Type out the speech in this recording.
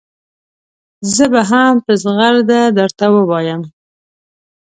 زه به هم په زغرده درته ووایم.